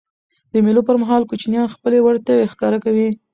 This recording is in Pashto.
د مېلو پر مهال کوچنيان خپلي وړتیاوي ښکاره کوي.